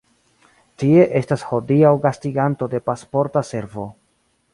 Tie estas hodiaŭ gastiganto de Pasporta Servo.